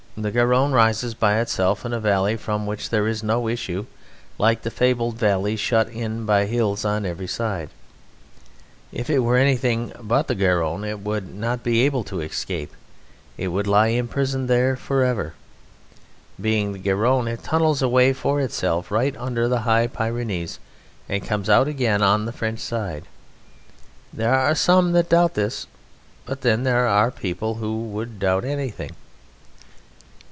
The Garonne rises by itself in a valley from which there is no issue, like the fabled valleys shut in by hills on every side. And if it were anything but the Garonne it would not be able to escape: it would lie imprisoned there for ever. Being the Garonne it tunnels a way for itself right under the High Pyrenees and comes out again on the French side. There are some that doubt this, but then there are people who would doubt anything.